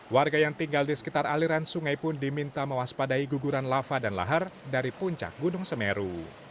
warga yang tinggal di sekitar aliran sungai pun diminta mewaspadai guguran lava dan lahar dari puncak gunung semeru